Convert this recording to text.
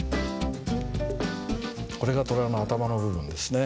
これが虎の頭の部分ですね。